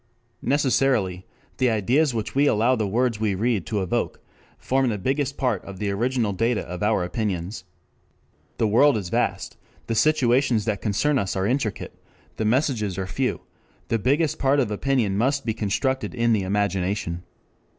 Necessarily the ideas which we allow the words we read to evoke form the biggest part of the original data of our opinions. The world is vast, the situations that concern us are intricate, the messages are few, the biggest part of opinion must be constructed in the imagination.